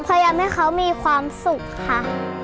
พยายามให้เขามีความสุขค่ะ